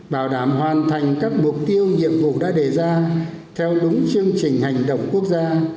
bảo đảm hoàn thành các mục tiêu nhiệm vụ đã đề ra theo đúng chương trình hành động quốc gia